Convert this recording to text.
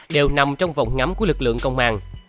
đều nằm trong vòng ngắm của lực lượng công an